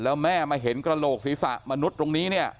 แล้วแม่มาเห็นกระโหลกศีรษะมนุษย์ตรงนี้เนี่ย